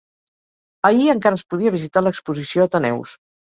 Ahir encara es podia visitar l'exposició Ateneus.